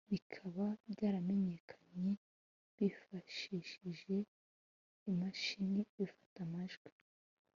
bikaba byaramenyekanye bifashishije imashini ifata amajwi